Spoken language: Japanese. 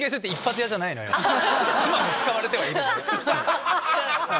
今も使われてはいる。